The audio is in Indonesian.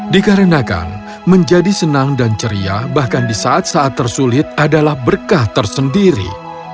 dikarenakan menjadi senang dan ceria bahkan di saat saat tersulit adalah berkah tersendiri